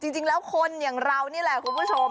จริงแล้วคนอย่างเรานี่แหละคุณผู้ชม